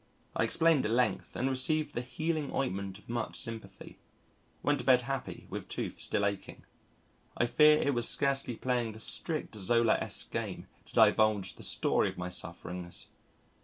I explained at length and received the healing ointment of much sympathy. Went to bed happy with tooth still aching. I fear it was scarcely playing the strict Zolaesque game to divulge the story of my sufferings....